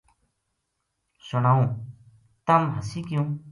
سنائوں ! تم ہسی کیوں